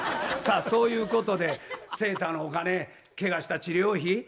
さあそういうことでセーターのお金ケガした治療費